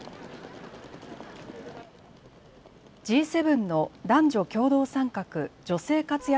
Ｇ７の男女共同参画・女性活躍